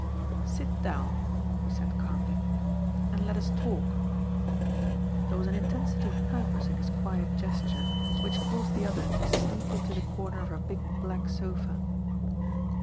" Sit down," he said calmly, " and let us talk." There was an intensity of purpose in his quiet gesture which caused the other to sneak into the comer of a big black sofa.